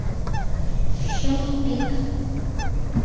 — Шым пик!